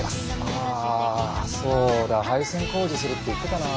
あそうだ配線工事するって言ってたな。